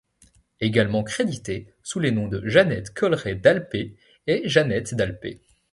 Également créditée sous les noms de Jeannette Colleret-Dalpé et Jeannette Dalpe.